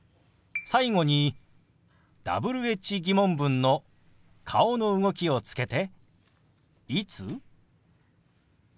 最後にＷｈ−疑問文の顔の動きをつけて「いつ？」。